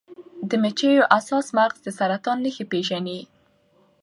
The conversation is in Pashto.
د مچیو حساس مغز د سرطان نښې پیژني.